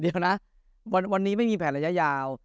เดี๋ยวนะวันนี้ไม่มีแผนระยะยาว